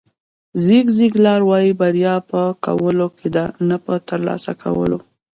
زیګ زیګلار وایي بریا په کولو کې ده نه په ترلاسه کولو.